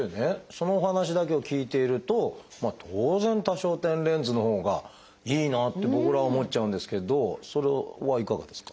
そのお話だけを聞いていると当然多焦点レンズのほうがいいなって僕らは思っちゃうんですけどそれはいかがですか？